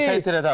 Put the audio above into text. saya tidak tahu